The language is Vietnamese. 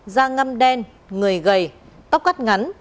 da ngâm đen người gầy tóc cắt ngắn